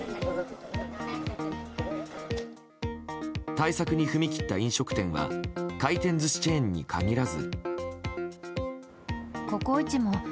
対策に踏み切った飲食店は回転寿司チェーンに限らず。